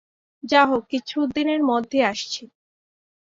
যা হোক, কিছুদিনের মধ্যেই আসছি।